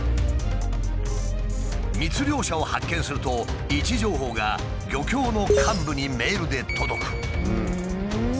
密漁者を発見すると位置情報が漁協の幹部にメールで届く。